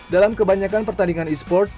dalam kebanyakan pertandingan esports